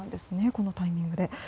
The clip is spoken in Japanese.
このタイミングで。